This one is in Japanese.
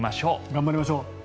頑張りましょう。